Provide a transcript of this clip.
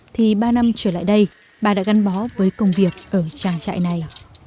thì ba năm trở lại đây bà đã gắn bó với công việc ở trang trại này